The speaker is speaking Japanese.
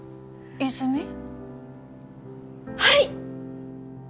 はい！